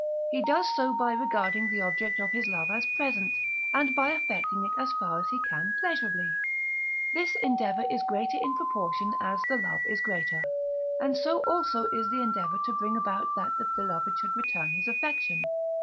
he does so by regarding the object of his love as present, and by affecting it as far as he can pleasurably; this endeavour is greater in proportion as the love is greater, and so also is the endeavour to bring about that the beloved should return his affection (III.